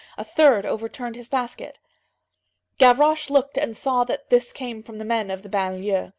—A third overturned his basket. Gavroche looked and saw that this came from the men of the banlieue.